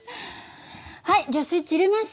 はいじゃあスイッチ入れます！